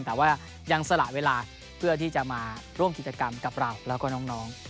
แต่ว่ายังสละเวลาเพื่อที่จะมาร่วมกิจกรรมกับเราแล้วก็น้อง